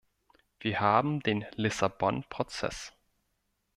Wir haben den Lissabon-Prozess.